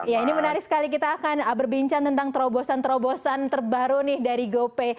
ya ini menarik sekali kita akan berbincang tentang terobosan terobosan terbaru nih dari gopay